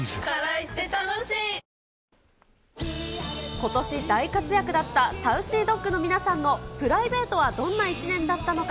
ことし、大活躍だったサウシードッグの皆さんのプライベートはどんな一年だったのか。